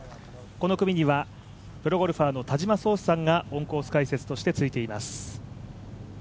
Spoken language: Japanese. この組にはプロゴルファーの田島創志さんがオンコース解説としてついています。